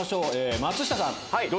松下さん。